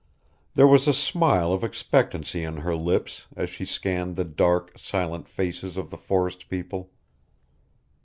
There was a smile of expectancy on her lips as she scanned the dark, silent faces of the forest people.